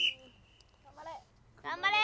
頑張れ！